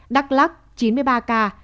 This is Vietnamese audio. đắk lắc chín mươi ba ca